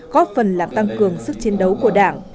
góp phần làm tăng cường sức chiến đấu của đảng